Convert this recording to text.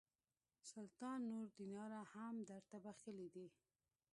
سلطان نور دیناره هم درته بخښلي دي.